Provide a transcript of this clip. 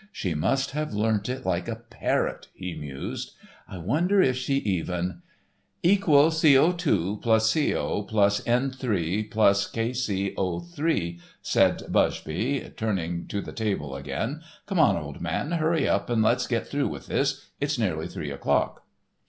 "She must have learnt it like a parrot," he mused. "I wonder if she even"— "Equals CO2+CO+N3+KCO3," said Bushby turning to the table again, "come on, old man, hurry up and let's get through with this. It's nearly three o'clock."